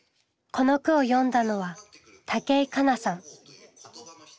この句を詠んだのは武井佳奈さん。